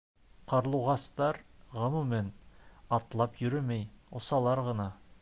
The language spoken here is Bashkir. Ҡарлуғастар, ғөмүмән, атлап йөрөмәй, осалар ғына.